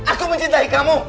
aku mencintai kamu